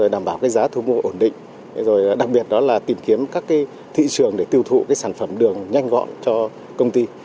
đảm bảo giá thu mua ổn định đặc biệt đó là tìm kiếm các thị trường để tiêu thụ sản phẩm đường nhanh gọn cho công ty